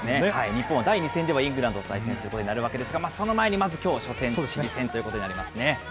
日本は第２戦ではイングランドと対戦することになるわけですが、その前に、まずきょう、初戦、チリ戦ということになりますね。